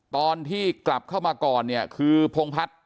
ตอนที่กลับเข้ามาก่อนเนี่ยคือพงพัฒน์